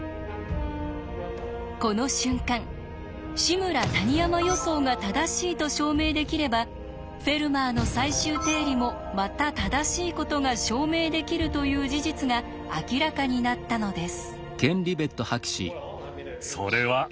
この瞬間「志村−谷山予想」が正しいと証明できれば「フェルマーの最終定理」もまた正しいことが証明できるという事実が明らかになったのです。